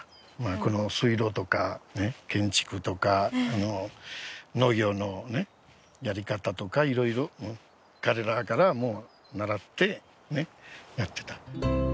この水路とか建築とか農業のねやり方とかいろいろ彼らから習ってやってた。